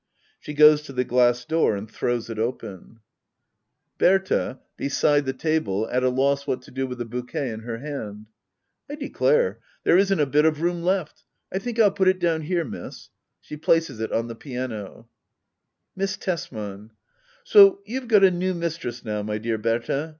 [She goes to the glass door and throws it open. Digitized by Google act i.] hedda oablbr. 5 Bbrta« S'side the table, at a loss what to do with the bouquet hand,] I declare there isn't a bit of room left. I think I'll put it down here. Miss. [She places it on the piano. Miss Tesman. So you've got a new mistress now, my dear Berta.